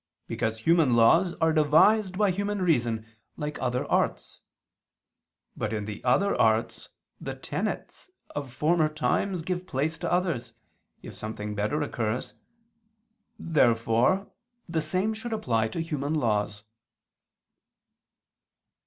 Because human laws are devised by human reason, like other arts. But in the other arts, the tenets of former times give place to others, if something better occurs. Therefore the same should apply to human laws.